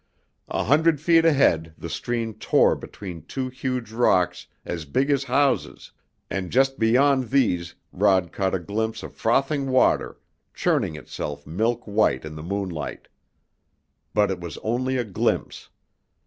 A hundred feet ahead the stream tore between two huge rocks as big as houses, and just beyond these Rod caught a glimpse of frothing water churning itself milk white in the moonlight. But it was only a glimpse.